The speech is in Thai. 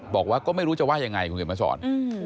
บอกว่าก็ไม่รู้จะไหว้อย่างไรคุณเห็นมั้ยสอน